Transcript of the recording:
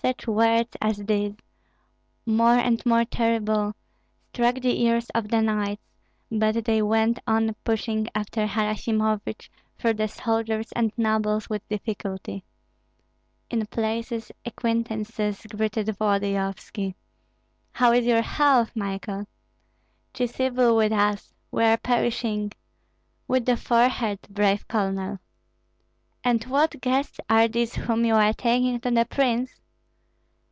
Such words as these, more and more terrible, struck the ears of the knights; but they went on pushing after Harasimovich through the soldiers and nobles with difficulty. In places acquaintances greeted Volodyovski: "How is your health, Michael? 'Tis evil with us; we are perishing! With the forehead, brave Colonel! And what guests are these whom you are taking to the prince?"